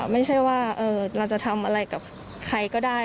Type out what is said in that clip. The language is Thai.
ไม่ใช่ว่าเราจะทำอะไรกับใครก็ได้